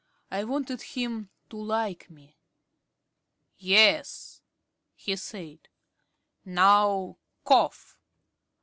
I wanted him to like me. "Yes," he said. "Now cough."